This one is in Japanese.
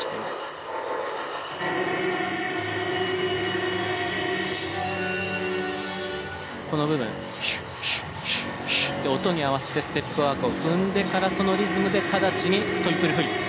シュッシュッシュッシュッと音に合わせてステップワークを踏んでからそのリズムでただちにトリプルフリップ。